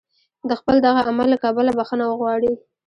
د خپل دغه عمل له کبله بخښنه وغواړي.